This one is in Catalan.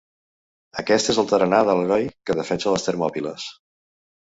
Aquest és el tarannà de l’heroi que defensa les Termòpiles.